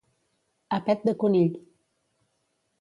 A pet de conill.